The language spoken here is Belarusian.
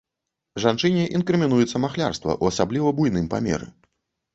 Жанчыне інкрымінуецца махлярства ў асабліва буйным памеры.